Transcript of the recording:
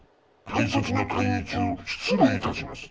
大切な会議中失礼いたします。